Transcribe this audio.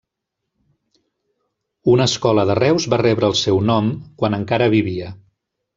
Una escola de Reus va rebre el seu nom, quan encara vivia.